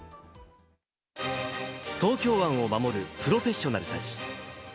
東京湾を守るプロフェッショナルたち。